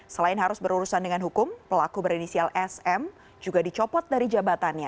selain harus berurusan dengan hukum pelaku berinisial sm juga dicopot dari jabatannya